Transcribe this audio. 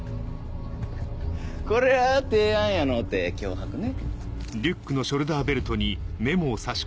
これは提案やのうて脅迫ね。